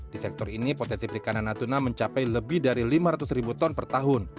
di sektor ini potensi perikanan natuna mencapai lebih dari lima ratus ribu ton per tahun